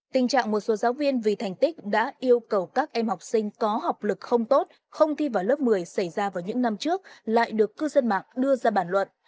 tình trạng một số giáo viên vì thành tích đã yêu cầu các em học sinh có học lực không tốt không thi vào lớp một mươi xảy ra vào những năm trước lại được cư dân mạng đưa ra bản luận